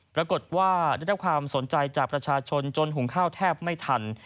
ปรากฏว่าได้รับความสนใจจากประชาชนจนหุงข้าวแทบไม่ทัน